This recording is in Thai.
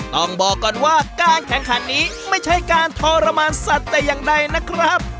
ต้องบอกก่อนว่าการแข่งขันนี้ไม่ใช่การทรมานสัตว์แต่อย่างใดนะครับ